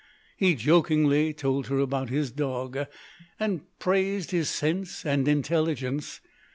He jokingly told her about his dog, and praised his sense and intelligence.